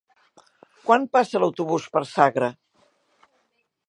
Quan passa l'autobús per Sagra?